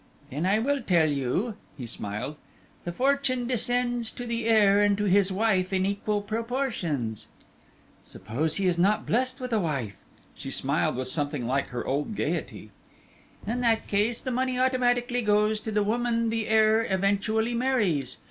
"Then I will tell you." He smiled. "The fortune descends to the heir and to his wife in equal proportions." "Suppose he is not blessed with a wife?" She smiled with something like her old gaiety. "In that case the money automatically goes to the woman the heir eventually marries.